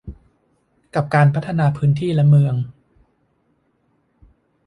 กับการพัฒนาพื้นที่และเมือง